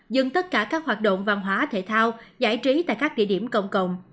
dừng tất cả các hoạt động văn hóa thể thao giải trí tại các địa điểm công cộng